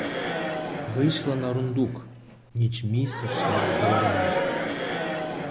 Вийшла на рундук, — ніч місячна, зоряна.